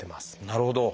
なるほど。